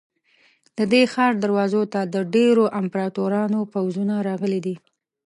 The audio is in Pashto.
د دې ښار دروازو ته د ډېرو امپراتورانو پوځونه راغلي دي.